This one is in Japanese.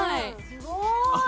すごーい！